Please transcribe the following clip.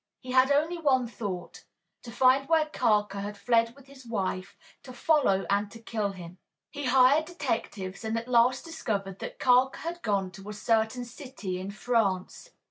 He had only one thought to find where Carker had fled with his wife, to follow and to kill him. He hired detectives and at last discovered that Carker had gone to a certain city in France.